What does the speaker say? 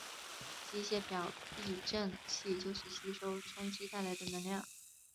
机械表避震器就是吸收冲击带来的能量。